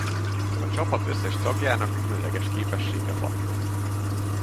A csapat összes tagjának különleges képessége van.